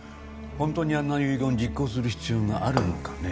ホントにあんな遺言実行する必要があるのかね。